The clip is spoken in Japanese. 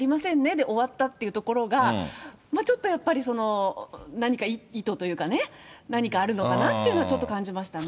で終わったというところが、ちょっとやっぱり、何か意図というか、何かあるのかなっていうのはちょっと感じましたね。